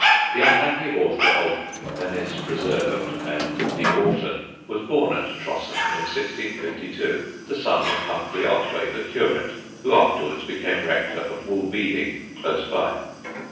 The unhappy author of Venice Preserv'd and The Orphan was born at Trotton in 1652, the son of Humphrey Otway, the curate, who afterwards became rector of Woolbeding close by.